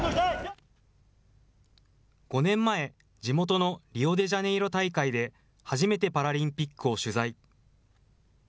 ５年前、地元のリオデジャネイロ大会で初めてパラリンピックを取材。